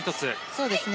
そうですね。